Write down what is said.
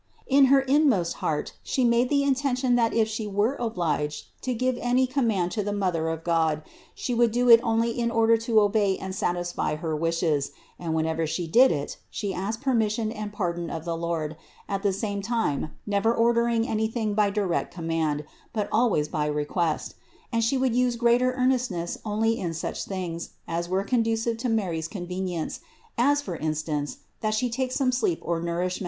In her inmost heart she made the intention that if she were obliged to give any command to the Mother of God, she would do it only in order to obey and satisfy her wishes; and whenever she did it, she asked permis sion and pardon of the Lord, at the same time never ordering anything by direct command, but always by request; and she would use greater earnestness only in such things as were conducive to Mary's convenience, as for instance, that She take some sleep or nourishment.